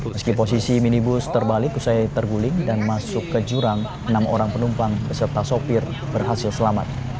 meski posisi minibus terbalik usai terguling dan masuk ke jurang enam orang penumpang beserta sopir berhasil selamat